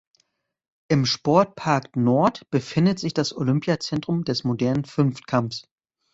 Im Sportpark Nord befindet sich das Olympiazentrum des Modernen Fünfkampfs.